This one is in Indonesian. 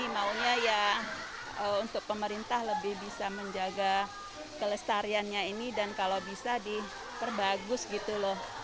maunya ya untuk pemerintah lebih bisa menjaga kelestariannya ini dan kalau bisa diperbagus gitu loh